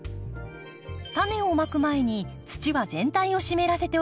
タネをまく前に土は全体を湿らせておきましょう。